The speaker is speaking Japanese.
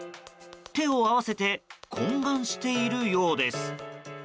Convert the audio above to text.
手を合わせて懇願しているようです。